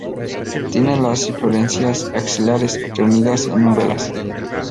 Tiene las inflorescencias axilares, reunidas en umbelas.